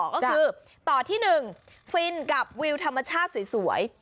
ก็คือต่อที่๑ฟินกับวิวธรรมชาติสวย